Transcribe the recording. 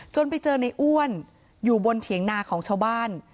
ไปเจอในอ้วนอยู่บนเถียงนาของชาวบ้าน